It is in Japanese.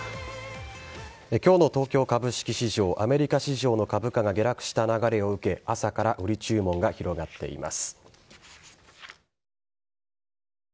今日の東京株式市場アメリカ市場の株価が下落した流れを受け朝から売り注文が広がっています。